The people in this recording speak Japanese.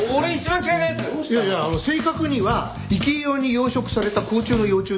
いやいや正確には生き餌用に養殖された甲虫の幼虫だよ。